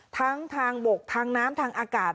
ทั้งทางบกทางน้ำทางอากาศ